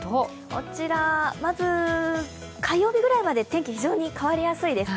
こちら、まず、火曜日ぐらいまで天気、非常に変わりやすいです。